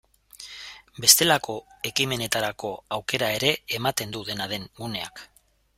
Bestelako ekimenetarako aukera ere ematen du, dena den, guneak.